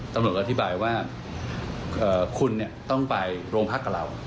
ตำรวจก็อธิบายว่าคุณต้องไปโรงพักกับเรา